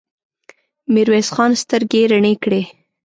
ميرويس خان سترګې رڼې کړې.